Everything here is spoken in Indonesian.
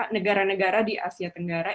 negara negara di asia tenggara